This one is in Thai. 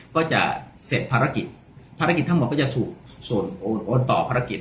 ก็จะเสร็จภารกิจภารกิจทั้งหมดก็จะถูกส่วนโอนต่อภารกิจ